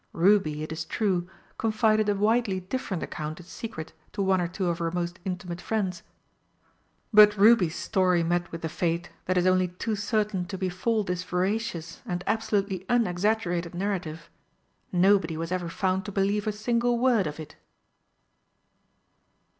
Ruby, it is true, confided a widely different account in secret to one or two of her most intimate friends. But Ruby's story met with the fate that is only too certain to befall this veracious and absolutely unexaggerated narrative nobody was ever found to believe a single word of it!